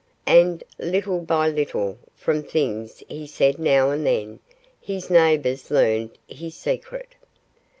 And little by little, from things he said now and then, his neighbors learned his secret.